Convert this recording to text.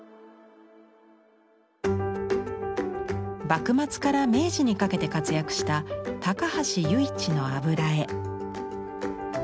幕末から明治にかけて活躍した高橋由一の油絵。